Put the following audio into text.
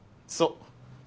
そう。